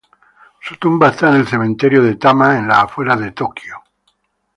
Su tumba está en el Cementerio de Tama, en las afueras de Tokio.